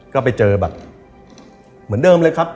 ก็ไปเจอแบบเหมือนเดิมเลยครับ